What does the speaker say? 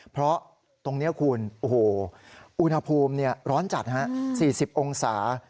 เพราะตรงนี้คุณโอ้โหอุณหภูมิร้อนจัด๔๐องศา